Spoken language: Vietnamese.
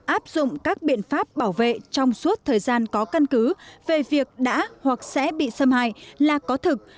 áp dụng các biện pháp bảo vệ trong suốt thời gian có căn cứ về việc đã hoặc sẽ bị xâm hại là có thực